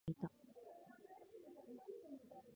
入り口の取っ手には埃が溜まっていた